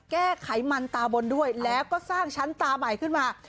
ไขมันตาบนด้วยแล้วก็สร้างชั้นตาใหม่ขึ้นมา